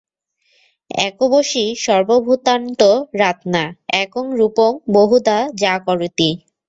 একো বশী সর্বভূতান্তরাত্মা একং রূপং বহুধা য করোতি।